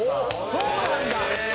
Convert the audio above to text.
そうなんだ！